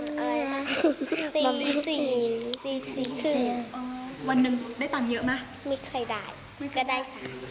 สามสี่ร้อนหนูให้ใคร